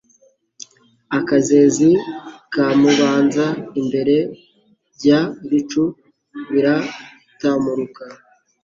Akezezi kamubanza imbere bya bicu biratamuruka